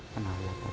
karena lihat adik